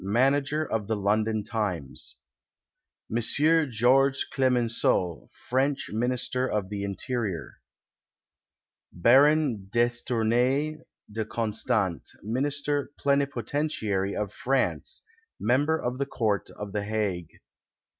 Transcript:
Manager of the London Times. viii PREFACE M. Georges Clemenceau, French IMinister of the Interior/ Baron D 'Estournelles de Constant, Minister Plenipotentiary of France, member of the Court of The Hague.